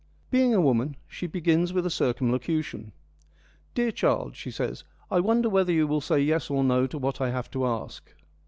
Being a woman, she begins with a circumlocution. ' Dear child,' she says, ' I wonder whether you will say yes or no to what I have to ask.'